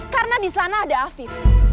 karena disana ada afif